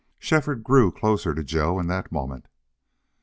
Shefford grew closer to Joe in that moment.